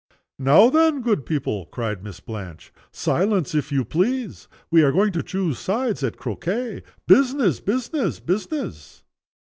"Now then, good people," cried Miss Blanche, "silence, if you please! We are going to choose sides at croquet. Business, business, business!"